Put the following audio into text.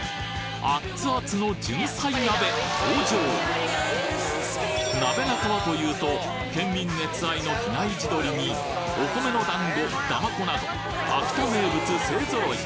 アッツアツのじゅんさい鍋登場鍋中はというと県民熱愛の比内地鶏にお米の団子だまこなど秋田名物勢ぞろい